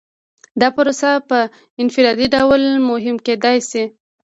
دا پروسه په انفرادي ډول هم کیدای شي.